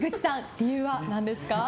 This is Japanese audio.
理由は何ですか？